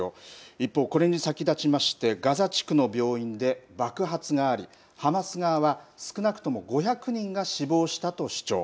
一方、これに先立ちまして、ガザ地区の病院で爆発があり、ハマス側は、少なくとも５００人が死亡したと主張。